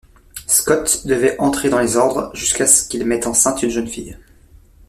Scott devait entrer dans les ordres, jusqu'à ce qu'il mette enceinte une jeune fille.